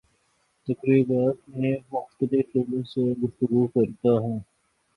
تقریبات میں مختلف لوگوں سے گفتگو کرتا ہوں